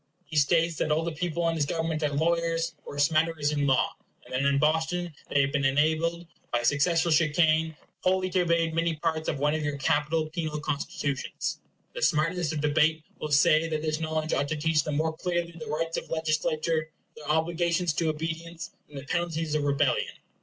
He states that all the people in his government are lawyers, or smatterers in law; and that in Boston they have been enabled, by successful chicane, wholly to evade many parts of one of your capital penal constitutions. The smartness of debate will say that this knowledge ought to teach them more clearly the rights of legislature, their obligations to obedience, and the penalties of rebellion.